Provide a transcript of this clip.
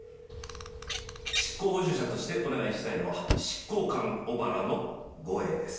執行補助者としてお願いしたいのは執行官・小原の護衛です。